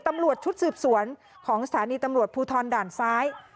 ตำรวจชุดสืบสวนของศาลณีตำรวจภูทรวรรศาสตร์ด่านซ้าย